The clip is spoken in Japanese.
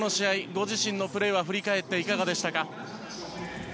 ご自身のプレー振り返って、いかがでしたか？